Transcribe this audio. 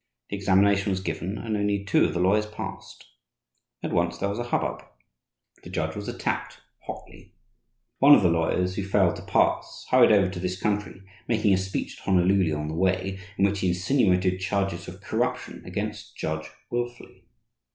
The examination was given, and only two of the lawyers passed. At once there was a hubbub. The judge was attacked hotly. One of the lawyers who failed to pass hurried over to this country, making a speech at Honolulu, on the way, in which he insinuated charges of corruption against Judge Wilfley.